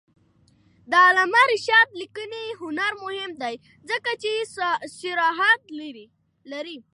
د علامه رشاد لیکنی هنر مهم دی ځکه چې صراحت لري.